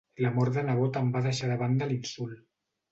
L'amor de nebot em va fer deixar de banda l'insult.